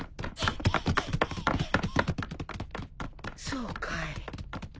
そうかい。